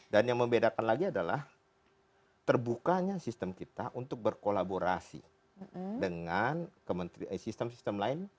dan yang membedakan lagi adalah terbukanya sistem kita untuk berkolaborasi dengan sistem sistem lain